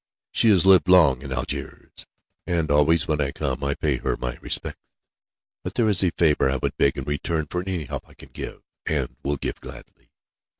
She has lived long in Algiers; and always when I come, I pay her my respects. But, there is a favour I would beg in return for any help I can give, and will give gladly.